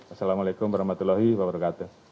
assalamu'alaikum warahmatullahi wabarakatuh